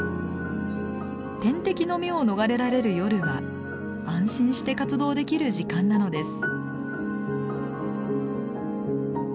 天敵の目を逃れられる夜は安心して活動できる時間なのです。